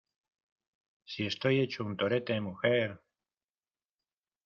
si estoy hecho un torete, mujer.